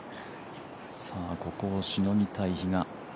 ここをしのぎたい比嘉。